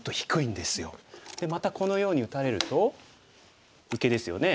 でまたこのように打たれると受けですよね。